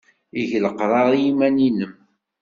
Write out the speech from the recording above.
Eg leqrar i yiman-nnem.